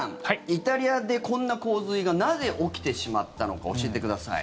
イタリアでこんな洪水がなぜ起きてしまったのか教えてください。